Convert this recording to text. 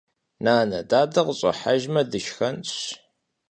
Нанэ, дадэ къыщӀыхьэжмэ дышхэнщ.